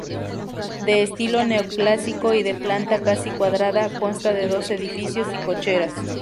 De estilo neoclásico y de planta casi cuadrada, consta de dos edificios y cocheras.